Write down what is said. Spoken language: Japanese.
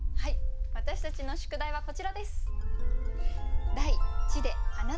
私たちの宿題はこちらです。